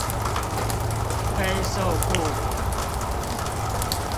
非瘦不可